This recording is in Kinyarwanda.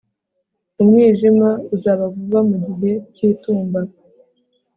Umwijima uza vuba mu gihe cyitumba